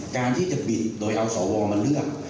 การที่จะปิดโดยเอาสวมาเลือก